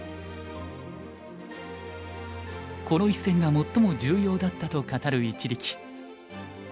この一戦が最も重要だったと語る一力。